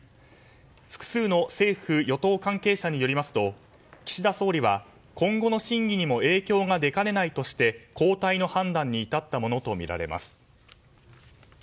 複数の政府・与党関係者によりますと岸田総理は、今後の審議にも影響が出かねないとして交代の判断に至ったものとみられます。